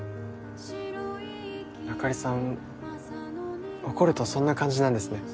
あかりさん怒るとそんな感じなんですね